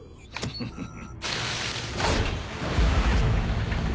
フフフ。